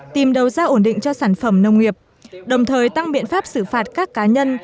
tìm đầu ra ổn định cho sản phẩm nông nghiệp đồng thời tăng biện pháp xử phạt các cá nhân